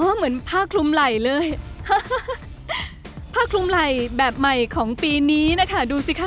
เหมือนผ้าคลุมไหล่เลยผ้าคลุมไหล่แบบใหม่ของปีนี้นะคะดูสิคะ